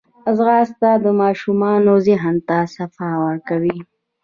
ځغاسته د ماشومانو ذهن ته صفا ورکوي